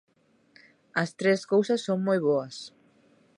As tres cousas son moi boas.